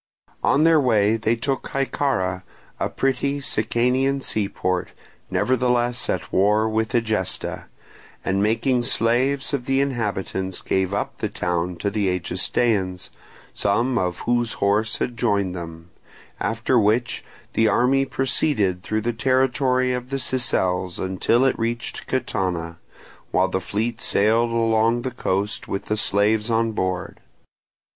On their way they took Hyccara, a petty Sicanian seaport, nevertheless at war with Egesta, and making slaves of the inhabitants gave up the town to the Egestaeans, some of whose horse had joined them; after which the army proceeded through the territory of the Sicels until it reached Catana, while the fleet sailed along the coast with the slaves on board.